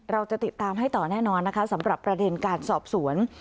เราจะติดตามให้ต่อแน่นอนนะคะสำหรับประเด็นการสอบสวน